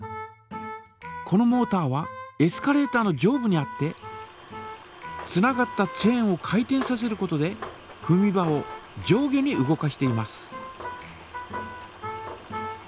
このモータはエスカレータ−の上部にあってつながったチェーンを回転させることでふみ場を上下に動かしています。